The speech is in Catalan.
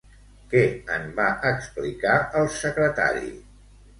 Què en va explicar el Secretari?